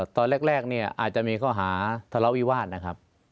ตอนแรกเนี่ยอาจจะมีข้อหาทะเลาวิวาสนะครับ